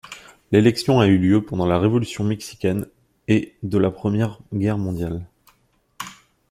L'élection a eu lieu pendant la révolution mexicaine et de la Première Guerre mondiale.